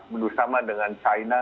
dan mas bener sama dengan cina